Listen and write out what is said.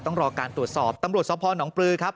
ต้องรอการตรวจสอบตำรวจสพนปลือครับ